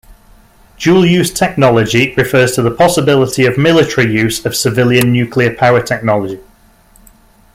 Dual-use technology refers to the possibility of military use of civilian nuclear power technology.